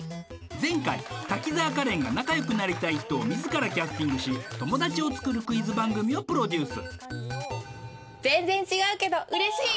前回滝沢カレンが仲良くなりたい人を自らキャスティングし友達を作るクイズ番組をプロデュース